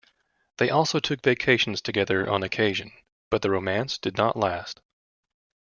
They also took vacations together on occasion, but the romance did not last.